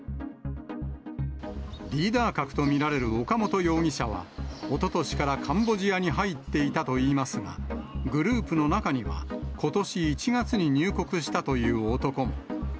リーダー格と見られる岡本容疑者は、おととしからカンボジアに入っていたといいますが、グループの中には、ことし１月に入国したという男も。